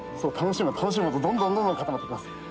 楽しむとどんどん固まって行きます。